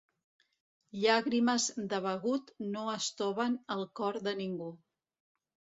Llàgrimes de begut no estoven el cor de ningú.